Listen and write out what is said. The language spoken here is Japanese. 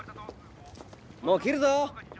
もう切るぞ！